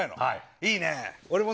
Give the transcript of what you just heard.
いいね。